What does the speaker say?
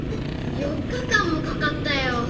４日間もかかったよ。